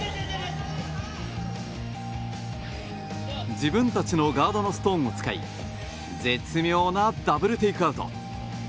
自分たちのガードのストーンを使い絶妙なダブルテイクアウト！